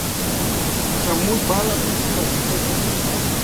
Samus va a la pista y la despeja.